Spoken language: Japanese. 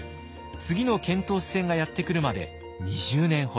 次の遣唐使船がやって来るまで２０年ほど。